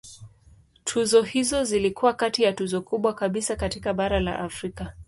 Tuzo hizo zilikuwa kati ya tuzo kubwa kabisa katika bara la Afrika.